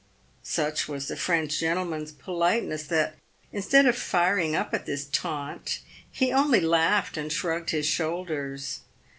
Such was the French gentleman's politeness that, instead of firing up at this taunt, he only laughed, and shrugged his shoulders.